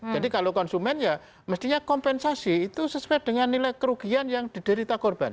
jadi kalau konsumen ya mestinya kompensasi itu sesuai dengan nilai kerugian yang diderita korban